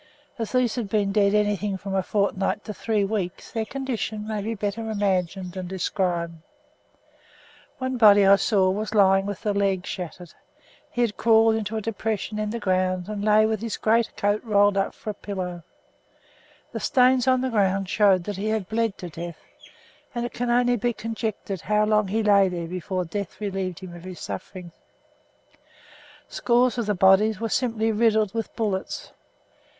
As these had been dead anything from a fortnight to three weeks their condition may be better imagined than described. One body I saw was lying with the leg shattered. He had crawled into a depression in the ground and lay with his great coat rolled up for a pillow; the stains on the ground showed that he had bled to death, and it can only be conjectured how long he lay there before death relieved him of his sufferings. Scores of the bodies were simply riddled with bullets.